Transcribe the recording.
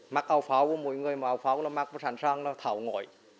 mặc áo pháo của mọi người mà áo pháo là mặc sẵn sàng là thảo ngồi